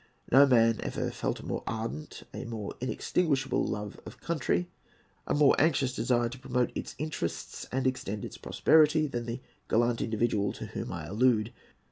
No man ever felt a more ardent, a more inextinguishable love of country, a more anxious desire to promote its interests and extend its prosperity, than the gallant individual to whom I allude.